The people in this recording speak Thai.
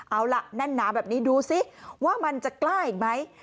เอาล่ะแน่นหนาแบบนี้ดูสิว่ามันจะกล้าอีกไหม